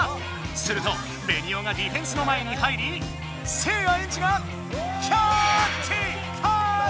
⁉するとベニオがディフェンスの前に入りせいやエンジがキャーッチ！